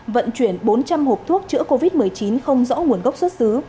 vận chuyển bốn trăm linh hộp thuốc chữa covid một mươi chín không rõ nguồn gốc xuất xứ